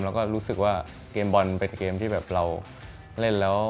แล้วก็รู้สึกว่าเกมบอลเป็นเกมที่แบบเราเล่นแล้ว